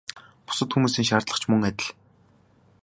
Бусад хүмүүсийн шаардлага ч мөн адил.